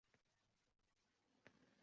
Qodiriy – dunyo e’tiboridagi adib